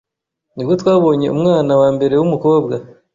nibwo twabonye umwana wa mbere w’umukobwa